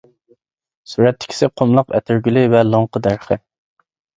سۈرەتتىكىسى قۇملۇق ئەتىرگۈلى ۋە لوڭقا دەرىخى.